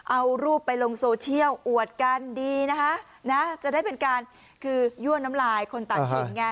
เอารูปไปลงโซเชียลอวดกันดีนะคะนะจะได้เป็นการคือยั่วน้ำลายคนต่างถิ่นไง